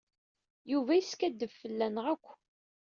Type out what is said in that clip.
Yuba yeskaddeb fell-aneɣ akk.